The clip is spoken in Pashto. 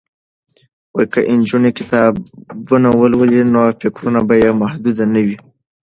که نجونې کتابونه ولولي نو فکرونه به یې محدود نه وي.